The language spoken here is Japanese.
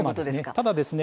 ただですね